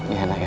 iya anak ya